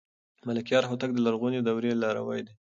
ملکیار هوتک د لرغونې دورې لاروی دی.